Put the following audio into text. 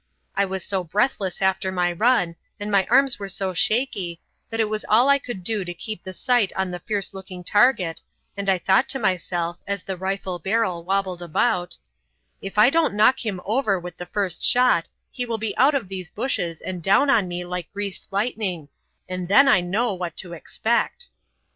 I was so breathless after my run, and my arms were so shaky, that it was all I could do to keep the sight on the fierce looking target and I thought to myself, as the rifle barrel wobbled about, "If I don't knock him over with the first shot, he will be out of these bushes and down on me like greased lightning and then I know what to expect."